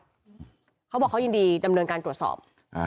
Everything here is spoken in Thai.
เขาบอกเขายินดีดำเนินการตรวจสอบอ่า